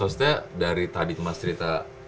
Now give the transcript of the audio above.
maksudnya dari tadi kemas cerita